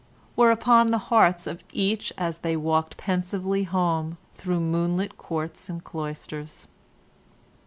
were upon the hearts of each as they walked pensively home through moonlit courts and cloisters.